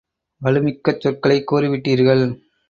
வலு மிக்கச் சொற்களைக் கூறிவிட்டீர்கள்.